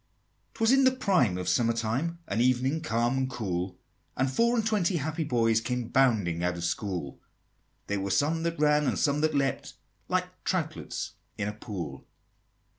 'Twas in the prime of summer time, An evening calm and cool, And four and twenty happy boys Came bounding out of school: There were some that ran and some that leapt, Like troutlets in a pool.